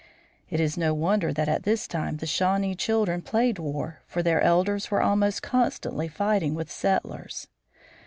It is no wonder that at this time the Shawnee children played war; for their elders were almost constantly fighting with the settlers.